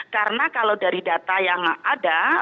karena kalau dari data yang ada